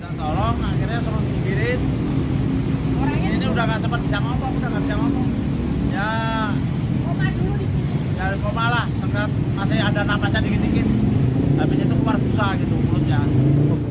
masih ada napasnya sedikit sedikit tapi itu kemarus usah gitu